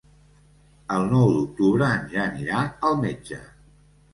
El nou d'octubre en Jan irà al metge.